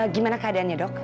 gimana keadaannya dok